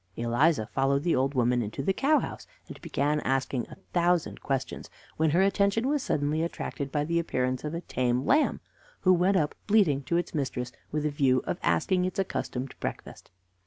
Eliza followed the old woman into the cow house, and began asking a thousand questions, when her attention was suddenly attracted by the appearance of a tame lamb, who went up bleating to its mistress with a view of asking its accustomed breakfast.